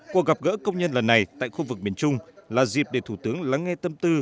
cuộc gặp gỡ công nhân lần này tại khu vực miền trung là dịp để thủ tướng lắng nghe tâm tư